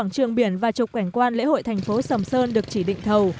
quảng trường biển và trục cảnh quan lễ hội thành phố sầm sơn được chỉ định thầu